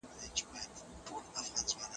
تخنیکي مهارتونه د نن ورځې اړتیا ده.